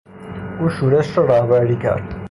او شورش را رهبری کرد.